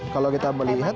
kalau kita melihat